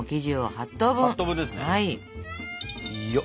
８等分ですね。